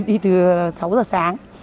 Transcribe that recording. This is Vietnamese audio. đi từ sáu giờ sáng